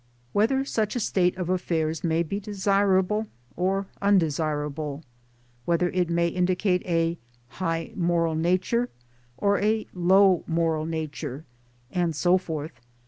Whether such a state of affairs may be desirable or undesirable, whether it may indicate a high moral nature or a low moral nature, and so forth!